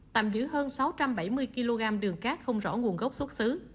tạm giữ hơn sáu trăm bảy mươi kg đường cát không rõ nguồn gốc xuất xứ